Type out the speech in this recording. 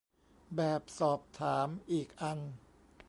แบบสอบถาม อีกอัน